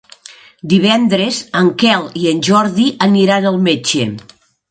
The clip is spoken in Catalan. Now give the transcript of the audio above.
Divendres en Quel i en Jordi aniran al metge.